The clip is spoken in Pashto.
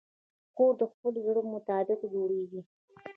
کور د خپل زړه مطابق جوړېږي.